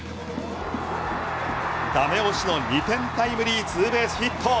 駄目押しの２点タイムリーツーベースヒット。